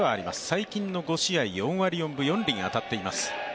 最近の５試合４割４分４厘当たっています。